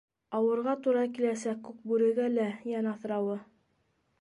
Ауырға тура киләсәк Күкбүрегә лә йән аҫрауы.